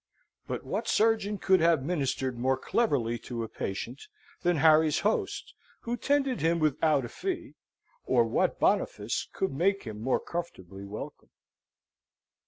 But what surgeon could have ministered more cleverly to a patient than Harry's host, who tended him without a fee, or what Boniface could make him more comfortably welcome?